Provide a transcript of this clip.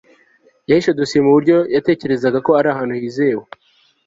yahishe dosiye mubyo yatekerezaga ko ari ahantu hizewe